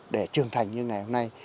để trường thành như ngày hôm nay